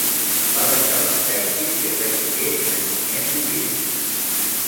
Va deixar l'exèrcit, i esdevingué enginyer civil.